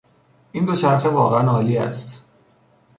این دوچرخه واقعا عالی است.